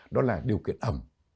đó là điều kiện ẩm